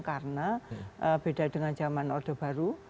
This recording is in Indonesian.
karena beda dengan zaman orde baru